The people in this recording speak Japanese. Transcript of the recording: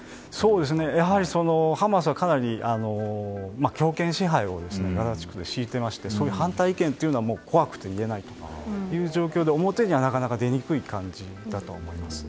やはりハマスは強権支配をガザ地区で敷いてまして反対意見は怖くて言えない状況で表にはなかなか出にくい感じだと思います。